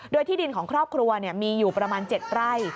โดยที่ดินของครอบครัวมีอยู่ประมาณ๗ไร่